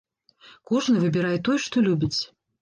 Кожны выбірае тое, што любіць.